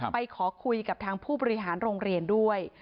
ไปขอคุยกับทางผู้บริหารโรงเรียนด้วย